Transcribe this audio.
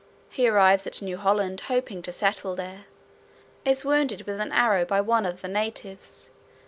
He arrives at New Holland, hoping to settle there. Is wounded with an arrow by one of the natives.